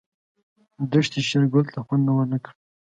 دښتې شېرګل ته خوند ورنه کړ.